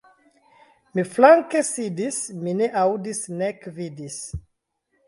Mi flanke sidis, mi ne aŭdis nek vidis.